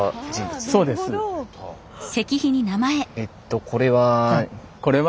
えっとこれは？